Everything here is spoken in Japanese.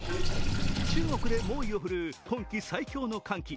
中国で猛威を振るう今季最強の寒気。